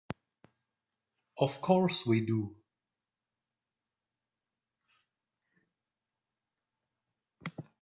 Of course we do.